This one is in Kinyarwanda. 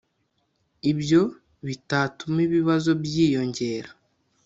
ibyo bitatuma ibibazo byiyongera